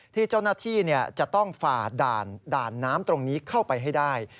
ที่เจ้าหน้าที่จะต้องฝ่าด่านน้ำตรงนี้เข้าไปให้ได้